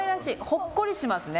ほっこりしますね。